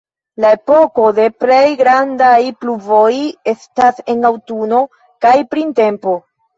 La epoko de plej grandaj pluvoj estas en aŭtuno kaj printempo.